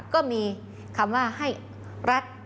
ก็มีคำว่าให้รัฐ